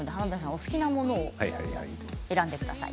お好きなものを選んでください。